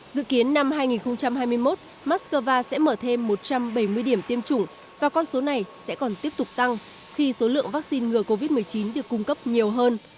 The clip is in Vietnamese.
dự kiến năm hai nghìn hai mươi một moscow sẽ mở thêm một trăm bảy mươi điểm tiêm chủng và con số này sẽ còn tiếp tục tăng khi số lượng vaccine ngừa covid một mươi chín được cung cấp nhiều hơn